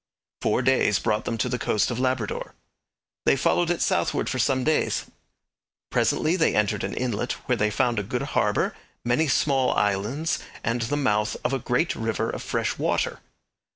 Four days brought them to the coast of Labrador. They followed it southward for some days. Presently they entered an inlet where they found a good harbour, many small islands, and the mouth of a great river of fresh water.